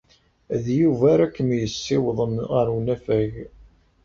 D Yuba ara kem-yessiwḍen ɣer unafag.